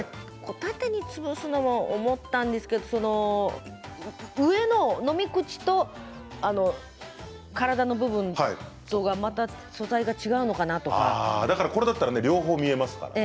縦に潰すのも思ったんですけれど上の飲み口と体の部分とまた素材が横だったら両方見えますからね。